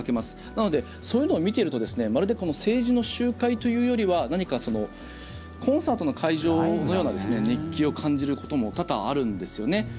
なので、そういうのを見てるとまるで政治の集会というよりは何かコンサートの会場のような熱気を感じることも多々あるんですよね。